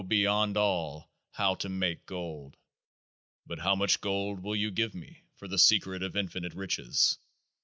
beyond all, how to make gold. But how much gold will you give me for the Secret of Infinite Riches?